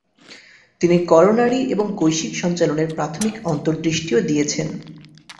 তিনি করোনারি এবং কৈশিক সঞ্চালনের প্রাথমিক অন্তর্দৃষ্টিও দিয়েছেন।